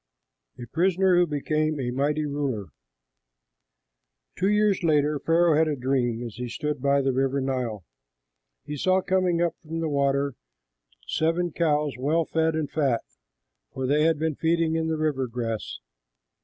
A PRISONER WHO BECAME A MIGHTY RULER Two years later Pharaoh had a dream: as he stood by the river Nile, he saw coming up from the water seven cows, well fed and fat, for they had been feeding in the river grass.